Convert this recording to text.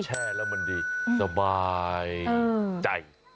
แช่แล้วมันดีสบายใจ